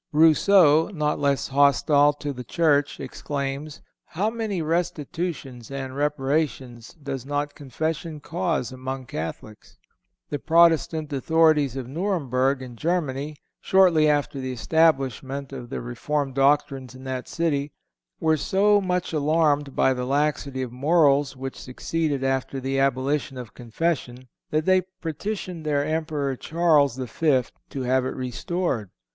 (466) Rousseau, not less hostile to the Church, exclaims: "How many restitutions and reparations does not confession cause among Catholics!"(467) The Protestant authorities of Nuremberg, in Germany, shortly after the establishment of the reformed doctrines in that city, were so much alarmed at the laxity of morals which succeeded after the abolition of confession that they petitioned their Emperor, Charles V., to have it restored.